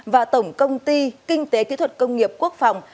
và tổng công ty kinh tế kỹ thuật công nghiệp quốc phòng